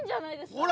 ほら！